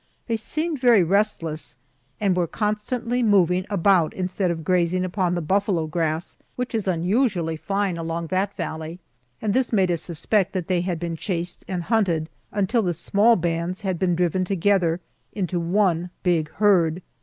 They seemed very restless, and were constantly moving about instead of grazing upon the buffalo grass, which is unusually fine along that valley, and this made us suspect that they had been chased and hunted until the small bands had been driven together into one big herd.